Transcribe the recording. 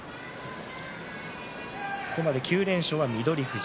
ここまで９連勝は翠富士。